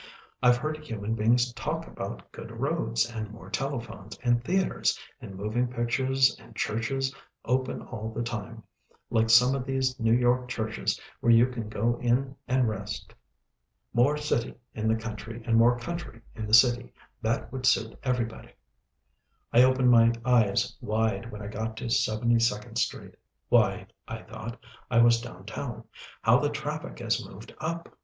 I've heard human beings talk about good roads, and more telephones, and theatres, and moving pictures and churches open all the time, like some of these New York churches where you can go in and rest. More city in the country and more country in the city that would suit everybody. I opened my eyes wide when I got to Seventy second Street. Why, I thought I was down town. How the traffic has moved up!